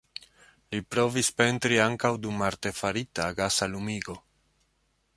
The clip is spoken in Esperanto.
Li provis pentri ankaŭ dum artefarita, gasa lumigo.